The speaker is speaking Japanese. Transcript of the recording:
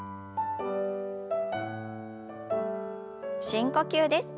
深呼吸です。